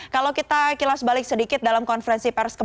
kalau kita kilas balik sedikit dalam konferensi pores kp tiga ini